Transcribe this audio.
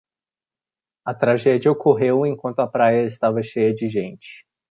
A tragédia ocorreu enquanto a praia estava cheia de gente.